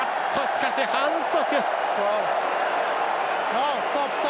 しかし、反則！